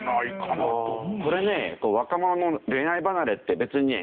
これね若者の恋愛離れって別にね